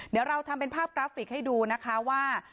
เดี๋ยวเราทำเป็นภาพกราฟิกให้ดูนะคะว่า